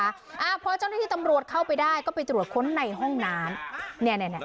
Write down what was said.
อ่าพอเจ้าหน้าที่ตำรวจเข้าไปได้ก็ไปตรวจค้นในห้องน้ำเนี่ยเนี้ยเนี้ยเนี้ย